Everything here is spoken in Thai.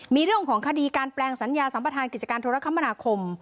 มีเรื่องของคดีการแปลงสัญญาสัมประธานกิจการโทรคมนาคม